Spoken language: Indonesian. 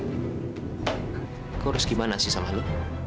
kok harus gimana sih sama lo